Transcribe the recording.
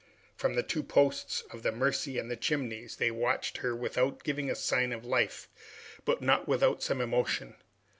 From the two posts of the Mercy and the Chimneys they watched her without giving a sign of life, but not without some emotion.